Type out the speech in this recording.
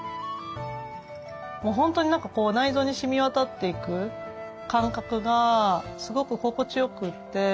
もう本当に何かこう内臓にしみ渡っていく感覚がすごく心地よくて。